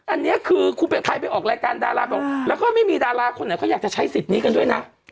อันนี้คือคุณเป็นภัยไปออกรายการดาราบอกแล้วก็ไม่มีดาราคนไหนเขาอยากจะใช้สิทธิ์นี้กันด้วยนะ